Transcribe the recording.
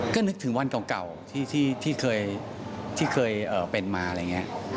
ก็นึกถึงวันเก่าที่เคยเป็นมาอะไรอย่างนี้